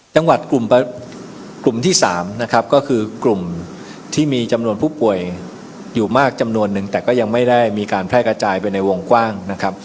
จังหวัดกลุ่มที่๓นะครับก็คือกลุ่มที่มีจำนวนผู้ป่วยอยู่มากจำนวนนึงแต่ก็ยังไม่ได้มีการแพร่กระจายไปในวงกว้างนะครับ